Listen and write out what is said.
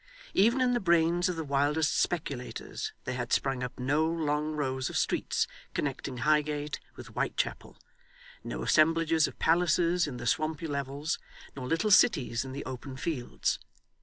Even in the brains of the wildest speculators, there had sprung up no long rows of streets connecting Highgate with Whitechapel, no assemblages of palaces in the swampy levels, nor little cities in the open fields.